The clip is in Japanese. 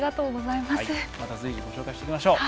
またぜひご紹介しましょう。